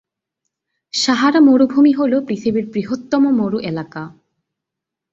সাহারা মরুভূমি হল পৃথিবীর বৃহত্তম মরু এলাকা।